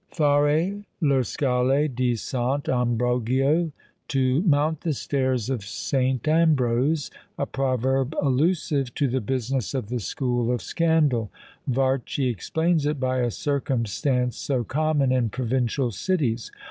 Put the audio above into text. Fare le scalée di Sant' Ambrogio; "To mount the stairs of Saint Ambrose," a proverb allusive to the business of the school of scandal. Varchi explains it by a circumstance so common in provincial cities.